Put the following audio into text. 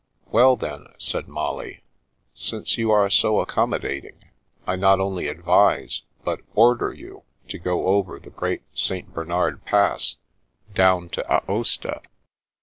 " Well, then," said Molly, " since you are so ac commodating, I not only advise but order you to go over the Great St. Bernard Pass, down to Aosta.